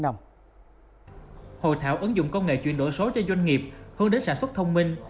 hội thảo ứng dụng công nghệ chuyển đổi số cho doanh nghiệp hướng đến sản xuất thông minh